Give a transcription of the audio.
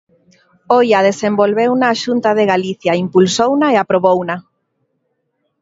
Oia, desenvolveuna a Xunta de Galicia, impulsouna e aprobouna.